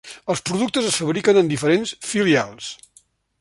Els productes es fabriquen en diferents filials.